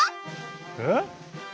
えっ？